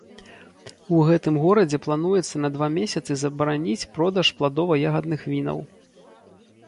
У гэтым горадзе плануецца на два месяцы забараніць продаж пладова-ягадных вінаў.